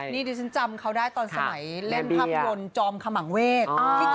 นี่ดิฉันจำเขาได้ตอนสมัยเล่นภาพยนตร์จอมขมังเวศ